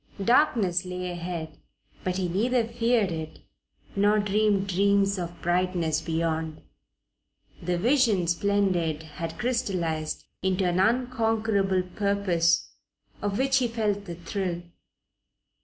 Darkness lay ahead, but he neither feared it nor dreamed dreams of brightness beyond. The Vision Splendid had crystallized into an unconquerable purpose of which he felt the thrill.